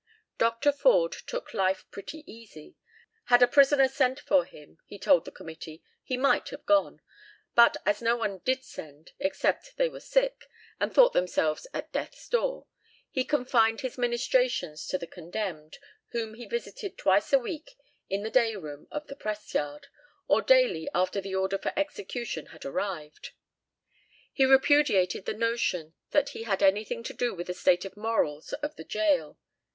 Dr. Forde took life pretty easy. Had a prisoner sent for him, he told the committee, he might have gone, but as no one did send, except they were sick and thought themselves at death's door, he confined his ministrations to the condemned, whom he visited twice a week in the day room of the press yard, or daily after the order for execution had arrived. He repudiated the notion that he had anything to do with the state of morals of the gaol.